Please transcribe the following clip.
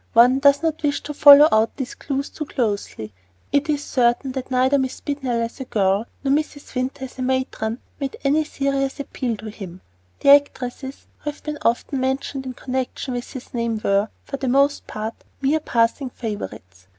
One does not wish to follow out these clues too closely. It is certain that neither Miss Beadnell as a girl nor Mrs. Winter as a matron made any serious appeal to him. The actresses who have been often mentioned in connection with his name were, for the most part, mere passing favorites.